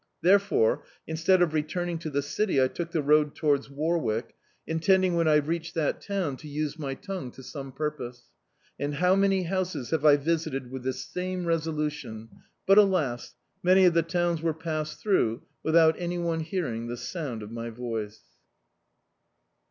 Therefore, instead of re turning to the city I took the road towards Warwick, intending when I readied that town to use my tongue to some purpose. And how many houses have I visited with this same resolution, but, alas, many of die towns were passed through without any one hearing the sound of my voice.